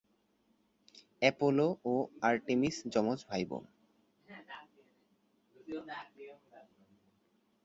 Apollo এবং Artemis যমজ ভাইবোন।